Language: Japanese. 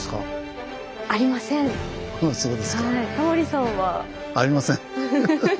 タモリさんは？ありません。